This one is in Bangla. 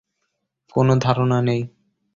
কোনো ধারণা নেই।